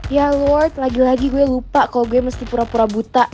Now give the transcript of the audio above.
ya worth lagi lagi gue lupa kalau gue mesti pura pura buta